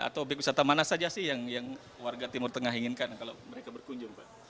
atau obyek wisata mana saja sih yang warga timur tengah inginkan kalau mereka berkunjung pak